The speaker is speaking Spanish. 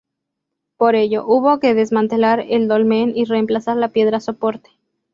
Por ello, hubo que desmantelar el dolmen y reemplazar la piedra soporte.